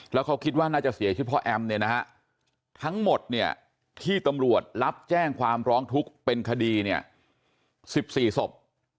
แล้วเขาคิดว่าน่าจะเสียชีวิตเพราะแอมเนี่ยนะฮะทั้งหมดเนี่ยที่ตำรวจรับแจ้งความร้องทุกข์เป็นคดีเนี่ย๑๔ศพ